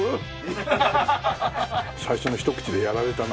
最初のひと口でやられたな。